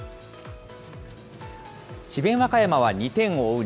和歌山は２点を追う